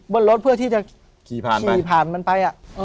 บนรถเพื่อที่จะขี่ผ่านมันไป